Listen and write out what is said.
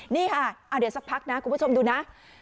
นี่ค่ะเดี๋ยวสักพักนะคุณผู้ชมดูนะ